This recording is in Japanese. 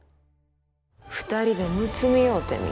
２人でむつみ合うてみよ。